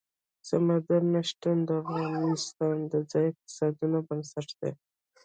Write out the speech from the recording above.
سمندر نه شتون د افغانستان د ځایي اقتصادونو بنسټ دی.